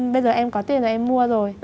bây giờ em có tiền rồi em mua rồi